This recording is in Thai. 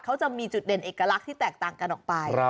เขาจะมีจุดเด่นเอกลักษณ์ที่แตกต่างกันออกไป